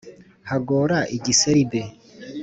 Hagora igiseribe .